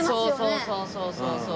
そうそうそうそう。